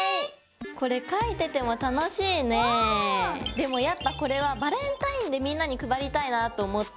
でもやっぱこれはバレンタインでみんなに配りたいなと思って。